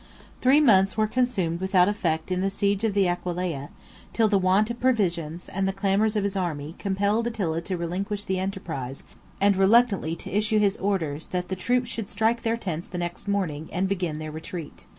Three months were consumed without effect in the siege of the Aquileia; till the want of provisions, and the clamors of his army, compelled Attila to relinquish the enterprise; and reluctantly to issue his orders, that the troops should strike their tents the next morning, and begin their retreat.